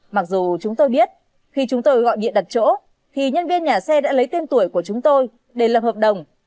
mặc dù chúng tôi biết khi chúng tôi gọi điện đặt chỗ thì nhân viên nhà xe đã lấy tên tuổi của chúng tôi để lập hợp đồng